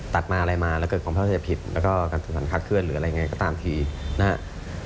ตัดมาอะไรมาแล้วเกิดความเข้าใจผิดแล้วก็การจัดสรรคาเคลื่อนหรืออะไรไงก็ตามทีนะครับ